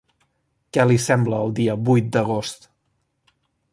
Què li sembla el dia vuit d'agost?